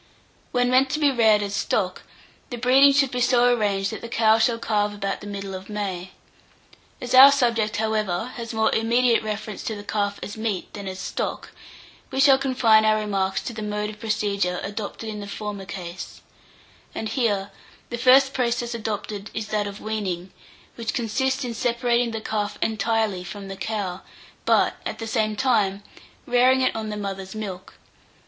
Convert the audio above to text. When meant to be reared as stock, the breeding should be so arranged that the cow shall calve about the middle of May. As our subject, however, has more immediate reference to the calf as meat than as stock, we shall confine our remarks to the mode of procedure adopted in the former case; and here, the first process adopted is that of weaning; which consists in separating the calf entirely from the cow, but, at the same time, rearing it on the mother's milk.